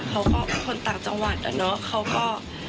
เขาก็คนต่างจังหวัดอะเนอะเขาก็